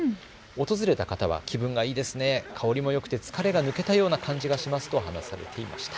訪れた方は、気分がいいですね、香りもよくて疲れが抜けたような感じがしますと話されていました。